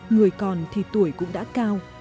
người còn thì tuổi cũng đã cao